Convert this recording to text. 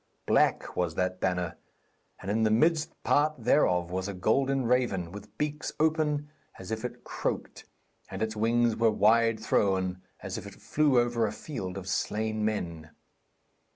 Black was that banner, and in the midmost part thereof was a golden raven, with beaks open as if it croaked, and its wings were wide thrown, as if it flew over a field of slain men.